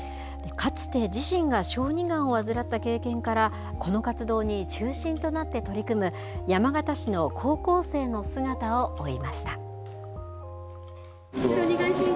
かつて自身が小児がんを患った経験から、この活動に中心となって取り組む、山形市の高校生の姿を追いました。